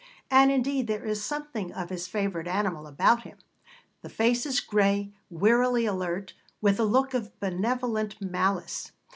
And, indeed, there is something of his favourite animal about him. The face is grey, wearily alert, with a look of benevolent malice.